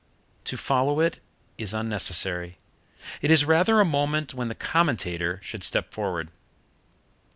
To follow it is unnecessary. It is rather a moment when the commentator should step forward.